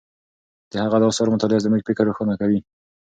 د هغه د آثارو مطالعه زموږ فکر روښانه کوي.